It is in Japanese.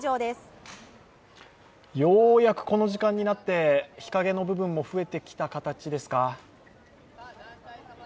ようやくこの時間になって、日陰の部分も増えてきた形ですか。